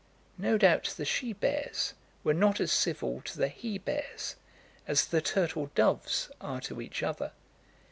No doubt the she bears were not as civil to the he bears as the turtle doves are to each other.